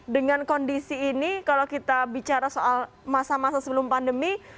dengan kondisi ini kalau kita bicara soal masa masa sebelum pandemi